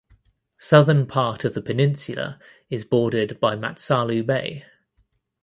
Southern part of the peninsula is bordered by Matsalu Bay.